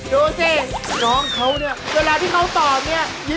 ดูสิน้องเขาเนี่ยเวลาที่เขาตอบเนี่ย